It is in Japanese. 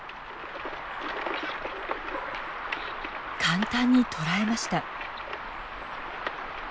簡単にとらえました。